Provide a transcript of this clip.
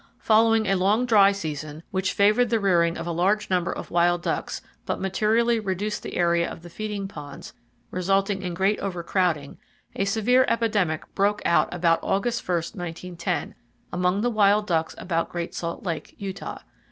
—Following a long dry season, which favored the rearing of a large number of wild ducks, but materially reduced the area of the feeding ponds, resulting in great overcrowding, a severe epidemic broke out about August 1, 1910, among the wild ducks about Great Salt Lake, Utah.